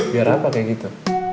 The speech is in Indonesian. biar apa kayak gitu